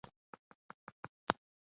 طبیعت د رواني آرامۍ مرسته کوي.